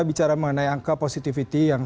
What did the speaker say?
bicara mengenai angka positivity yang